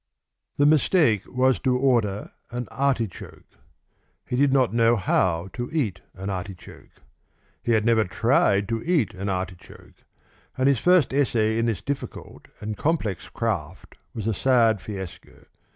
The mistake was to order an artichoke. He did not know how to eat an artichoke. He had never tried to eat an artichoke, and his first essay in this difficult and complex craft was a sad fiasco.